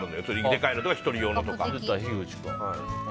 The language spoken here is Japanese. でかいのとか１人用とか。